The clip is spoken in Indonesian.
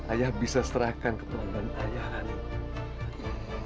ayah bisa serahkan ke pelanggan ayah rani